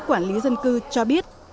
quản lý dân cư cho biết